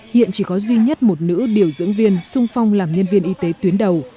hiện chỉ có duy nhất một nữ điều dưỡng viên sung phong làm nhân viên y tế tuyến đầu